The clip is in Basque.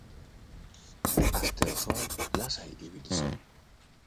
Aste osoan lasai ibili zen.